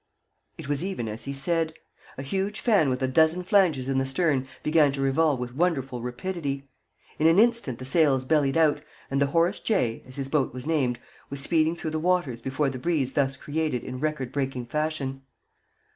It was even as he said. A huge fan with a dozen flanges in the stern began to revolve with wonderful rapidity; in an instant the sails bellied out, and the Horace J., as his boat was named, was speeding through the waters before the breeze thus created in record breaking fashion.